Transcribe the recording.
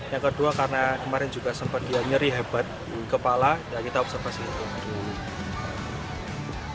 yang kedua karena kemarin juga sempat dia nyeri hebat di kepala dan kita observasi itu